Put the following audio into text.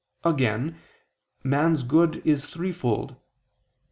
Again, man's good is threefold.